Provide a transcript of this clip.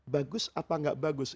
bagus apa tidak bagus